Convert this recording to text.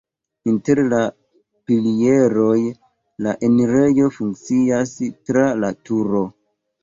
Inter la pilieroj la enirejo funkcias tra la turo.